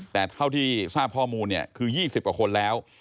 แต่เท่าที่ทราบข้อมูลเนี่ยคือ๒๐กว่าคนแล้ว